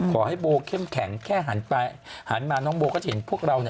ขอให้โบเข้มแข็งแค่หันไปหันมาน้องโบก็จะเห็นพวกเราเนี่ย